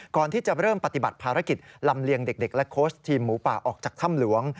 ก่อนที่จะเริ่มปฏิบัติภารกิจลำเลียงเด็กและโค้ชทีมหมูป่าออกจากถ้ำหลวง